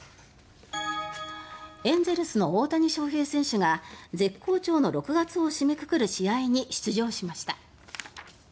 エンゼルスの大谷翔平選手が絶好調の６月を締めくくる試合に出場しました。